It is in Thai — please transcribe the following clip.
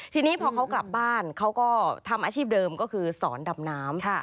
ทีนี้พอเขากลับบ้านเขาก็ทำอาชีพเดิมก็คือสอนดำน้ำ